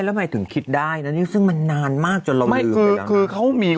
แต่ว่าทางการเค้ายังไม่ให้ไป